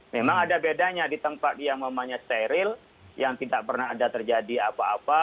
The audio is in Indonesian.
memang ada bedanya di tempat yang namanya steril yang tidak pernah ada terjadi apa apa